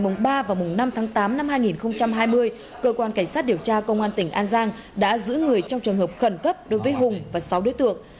mùng ba và mùng năm tháng tám năm hai nghìn hai mươi cơ quan cảnh sát điều tra công an tỉnh an giang đã giữ người trong trường hợp khẩn cấp đối với hùng và sáu đối tượng